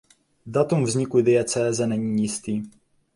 Datum vzniku diecéze není jistý.